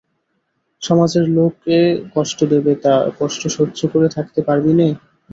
সমাজের লোকে কষ্ট দেবে–তা, কষ্ট সহ্য করে থাকতে পারবি নে?